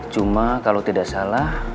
cuma kalau tidak salah